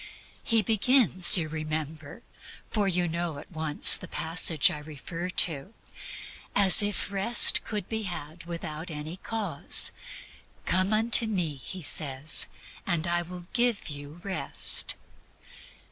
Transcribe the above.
He begins, you remember for you at once know the passage I refer to almost as if Rest could be had without any cause; "Come unto me," He says, "and I will give you Rest."